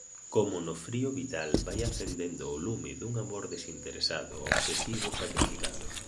Como no frío vital vai acendendo o lume dun amor desinteresado, obsesivo, sacrificado.